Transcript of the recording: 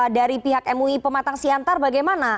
dari pihak mui pematang siantar bagaimana